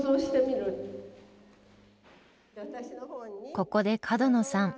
ここで角野さん